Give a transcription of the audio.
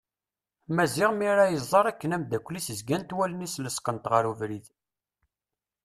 Maziɣ mi ara ad iẓer akken amddakel-is zgant wallen-is lesqent ɣer ubrid.